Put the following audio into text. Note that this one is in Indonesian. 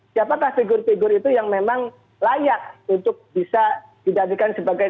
siapakah figur figur itu yang memang layak untuk bisa dijadikan sebagai